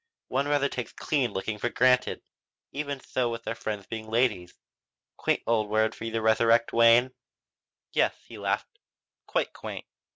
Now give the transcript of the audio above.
One rather takes 'clean looking' for granted! Even so with our friends being ladies. Quaint old word for you to resurrect, Wayne." "Yes," he laughed, "quite quaint.